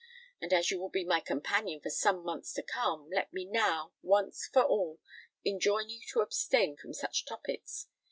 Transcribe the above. And, as you will be my companion for some months to come, let me now, once for all, enjoin you to abstain from such topics.